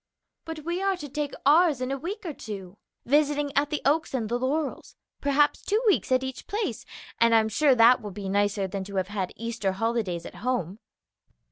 "But we are to take ours in a week or two, visiting at the Oaks and the Laurels, perhaps two weeks at each place, and I'm sure that will be nicer than to have had Easter holidays at home."